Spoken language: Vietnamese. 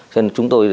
cho nên chúng tôi